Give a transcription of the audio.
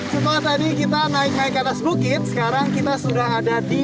setelah tadi kita naik naik ke atas bukit sekarang kita sudah ada di